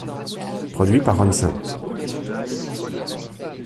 Produit par Ron St.